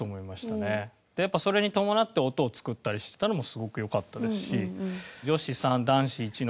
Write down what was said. やっぱそれに伴って音を作ったりしてたのもすごく良かったですし。